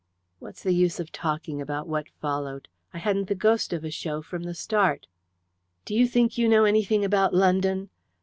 "What's the use of talking about what followed? I hadn't the ghost of a show from the start. Do you think you know anything about London?